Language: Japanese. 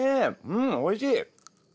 うんおいしい！